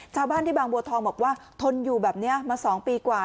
ชาวบ้านที่บางบัวทองบอกว่าทนอยู่แบบนี้มา๒ปีกว่า